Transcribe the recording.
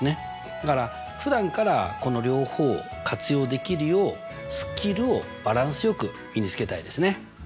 だからふだんからこの両方を活用できるようスキルをバランスよく身につけたいですね！